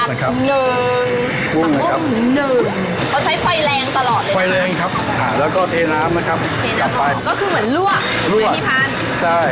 ไฟแรงครับอ่าแล้วก็เทน้ำนะครับกลับไปก็คือเหมือนลวกลวกใช่